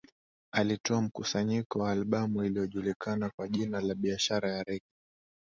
Alitoa mkusanyiko wa albamu iliyojulikana kwa jina la Biashara ya Rege